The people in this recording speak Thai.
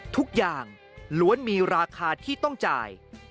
ทุกอย่างล้วนมีราคาที่ต้องจ่าย